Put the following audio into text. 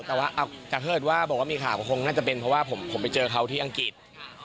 ตระเผิดว่ามีข่าก็ก็แน่จะเป็นเพราะว่าผมไปเจอเค้าที่อังกฤษ